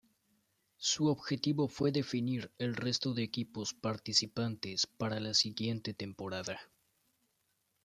Su objetivo fue definir el resto de equipos participantes para la siguiente temporada.